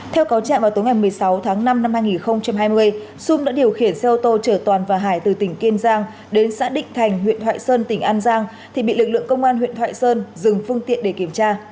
theo cáo trạng vào tối ngày một mươi sáu tháng năm năm hai nghìn hai mươi sung đã điều khiển xe ô tô chở toàn và hải từ tỉnh kiên giang đến xã định thành huyện thoại sơn tỉnh an giang thì bị lực lượng công an huyện thoại sơn dừng phương tiện để kiểm tra